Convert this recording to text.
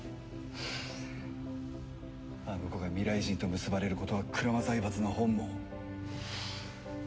あの子が未来人と結ばれることは鞍馬財閥の本望。